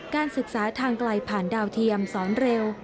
การศึกษาทางไกลผ่านดาวเทียมสอนเร็ว